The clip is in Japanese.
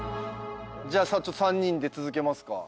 じゃあ３人で続けますか。